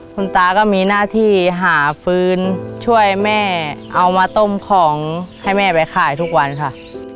คุณตาก็มีหน้าที่หาฟื้นช่วยแม่เอามาต้มของให้แม่ไปขายทุกวันค่ะ